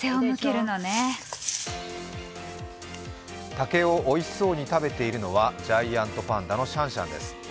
竹をおいしそうに食べているのはジャイアントパンダのシャンシャンです。